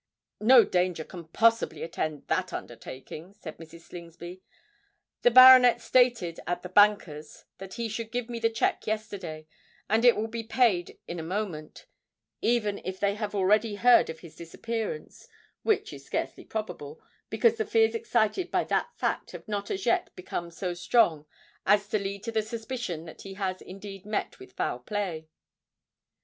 "No danger can possibly attend that undertaking," said Mrs. Slingsby. "The baronet stated at the bankers' that he should give me the cheque yesterday; and it will be paid in a moment, even if they have already heard of his disappearance, which is scarcely probable, because the fears excited by that fact have not as yet become so strong as to lead to the suspicion that he has indeed met with foul play."